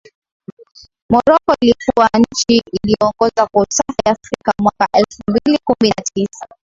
Morocco ilikuwa nchi iliyoongoza kwa usafi Afrika mwaka elfu mbili kumi na tisa